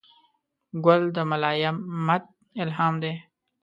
ګل د ملایمت الهام دی.